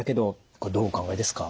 これどうお考えですか？